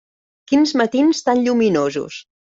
Quins matins tan lluminosos.